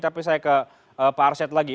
tapi saya ke pak arsyad lagi